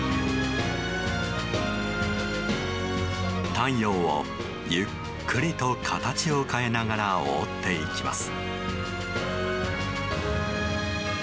太陽をゆっくりと形を変えながら覆っていきます。